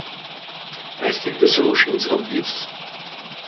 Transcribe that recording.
I think the solution is obvious.